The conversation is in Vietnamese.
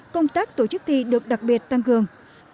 công tác tổ chức thi được đặc biệt tăng cường